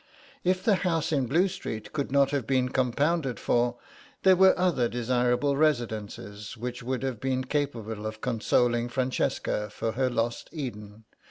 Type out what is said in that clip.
If the house in Blue Street could not have been compounded for there were other desirable residences which would have been capable of consoling Francesca for her lost Eden.